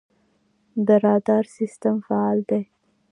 د رادار سیستم فعال دی؟